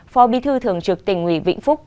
phò bi thư thường trực tỉnh ủy vĩnh phúc